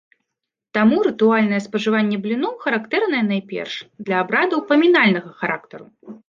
Таму рытуальнае спажыванне бліноў характэрнае найперш для абрадаў памінальнага характару.